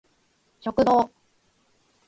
食堂